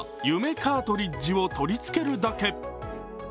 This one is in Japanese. カートリッジを取りつけるだけ。